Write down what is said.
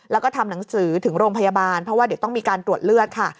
แล้วก็ทำหนังสือถึงโรงพยาบาลเพราะว่าเดี๋ยวต้องมีการตรวจเลือดค่ะ